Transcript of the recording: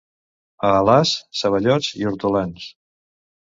A Alàs, ceballots i hortolans.